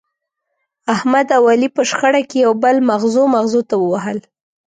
احمد او علي په شخړه کې یو بل مغزو مغزو ته ووهل.